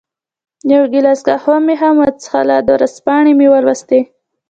یو ګیلاس قهوه مې هم وڅېښل، ورځپاڼې مې ولوستې.